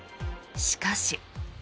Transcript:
しかし。